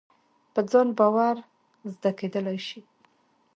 په ځان باور زده کېدلای شي.